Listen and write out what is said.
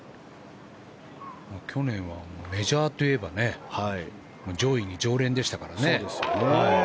去年はメジャーといえば上位に常連でしたからね。